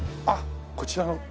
あっこちらが。